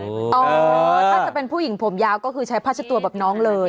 ถ้าจะเป็นผู้หญิงผมยาวก็คือใช้ผ้าเช็ดตัวแบบน้องเลย